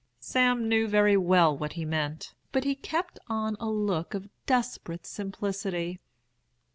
"Sam knew very well what he meant, but he kept on a look of desperate simplicity.